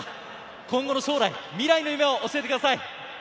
今後の将来、未来の夢を教えてください。